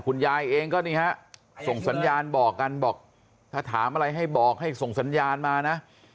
คุณยายเองก็นี่ฮะส่งสัญญาณบอกกันบอกถ้าถามอะไรให้บอกให้ส่งสัญญาณมานะ